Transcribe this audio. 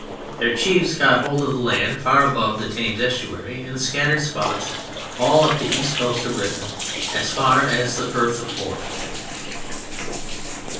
Their chiefs got a hold of the land far above the Thames Estuary, in scattered spots all up the east coast of Britain, as far as the Firth of Forth.